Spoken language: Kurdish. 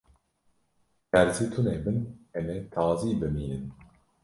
Terzî tune bin, em ê tazî bimînin.